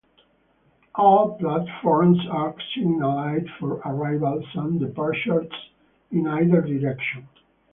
All platforms are signalled for arrivals and departures in either direction.